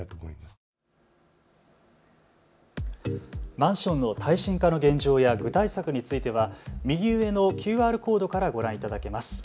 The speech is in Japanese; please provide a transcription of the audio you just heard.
マンションの耐震化の現状や具体策についは右上のＱＲコードからご覧いただけます。